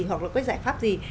hoặc là có giải pháp gì